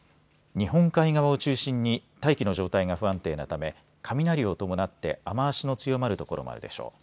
日本海側を中心に大気の状態が不安定なため雷を伴って雨足の強まる所もあるでしょう。